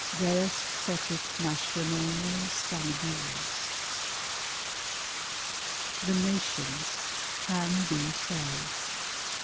Deus fecit nationes sanahiles. The nations can be saved.